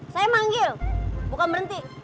saya manggil bukan berhenti